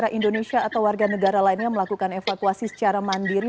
apakah indonesia atau warga negara lainnya melakukan evakuasi secara mandiri